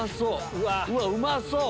うわっうまそう！